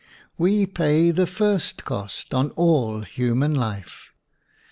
We pay the first cost on all hu man life.